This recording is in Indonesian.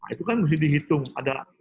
itu kan mesti dihitung ada